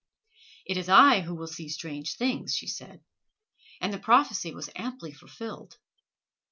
"It is I who will see strange things," she said; and the prophecy was amply fulfilled.